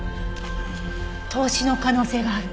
凍死の可能性がある。